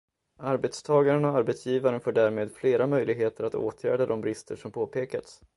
Arbetstagaren och arbetsgivaren får därmed flera möjligheter att åtgärda de brister som påpekats.